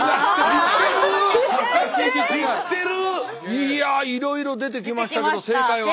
いやいろいろ出てきましたけど正解は？